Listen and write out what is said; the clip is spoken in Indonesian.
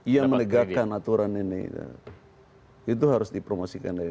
yang menegakkan aturan ini itu harus dipromosikan dari